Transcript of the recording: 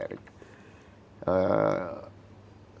jadi saya dekat sama pak erick